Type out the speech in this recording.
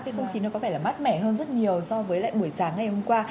cái không khí nó có vẻ là mát mẻ hơn rất nhiều so với lại buổi sáng ngày hôm qua